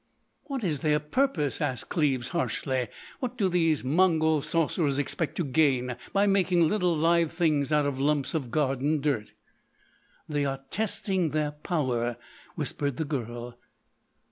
"What is their purpose?" asked Cleves harshly. "What do these Mongol Sorcerers expect to gain by making little live things out of lumps of garden dirt?" "They are testing their power," whispered the girl.